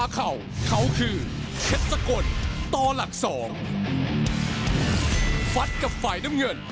เขาคือยอดขุนพลว่ายืนยง